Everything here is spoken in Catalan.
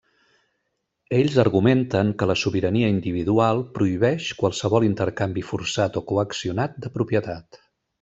Ells argumenten que la sobirania individual prohibeix qualsevol intercanvi forçat o coaccionat de propietat.